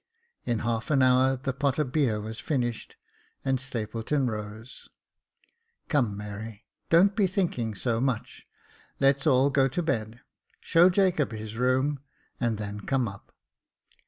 In half an hour the pot of beer was finished, and Stapleton rose. " Come, Mary, don't be thinking so much ; let's all go to bed. Show Jacob his room, and then come up."